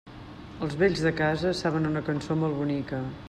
Els vells de casa saben una cançó molt bonica.